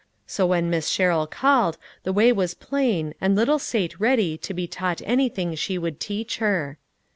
So when Miss Sherrill called the way was plain and little Sate ready to be taught anything she would teach her.